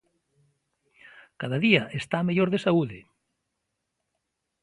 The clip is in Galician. Cada día está mellor de saúde.